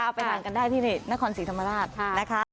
เอาไปหลังกันได้ที่นครศรีธรรมดาบนะคะ